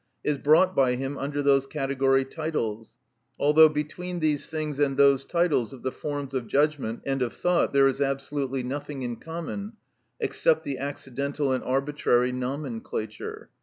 is brought by him under those category titles, although between these things and those titles of the forms of judgment and of thought there is absolutely nothing in common except the accidental and arbitrary nomenclature.